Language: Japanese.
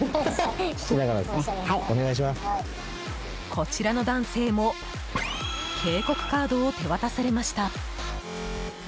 こちらの男性も警告カードを手渡されました。